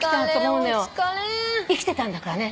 生きてたんだからね。